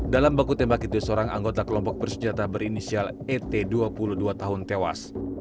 dalam baku tembak itu seorang anggota kelompok bersenjata berinisial et dua puluh dua tahun tewas